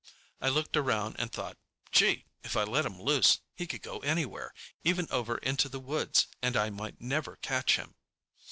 I looked around and thought, Gee, if I let him loose, he could go anywhere, even over into the woods, and I might never catch him.